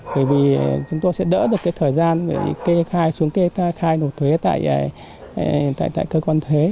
bởi vì chúng tôi sẽ đỡ được cái thời gian để kê khai xuống kê khai nộp thuế tại cơ quan thuế